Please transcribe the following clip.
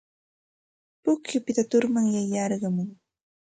Pukyupita turmanyay yarqumun.